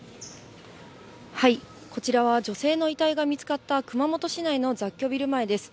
こちらは、女性の遺体が見つかった熊本市内の雑居ビル前です。